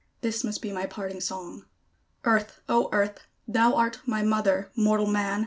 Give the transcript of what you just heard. This must be my parting song. Earth! O Earth! thou art my Mother. Mortal man!